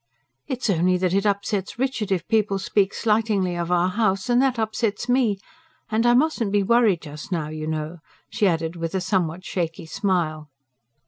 "It's only that it upsets Richard if people speak slightingly of our house, and that upsets me and I musn't be worried just now, you know," she added with a somewhat shaky smile.